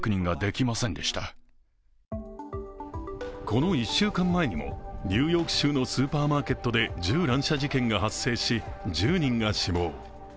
この１週間前にもニューヨーク州のスーパーマーケットで銃乱射事件が発生し１０人が死亡。